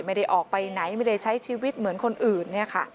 ไม่ได้ออกไปไหนไม่ได้ใช้ชีวิตเหมือนคนอื่น